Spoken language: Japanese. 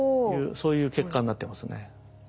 そういう結果になってますね。